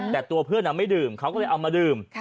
แต่ตัวเพื่อนไม่ดื่มเขาก็เลยเอามาดื่ม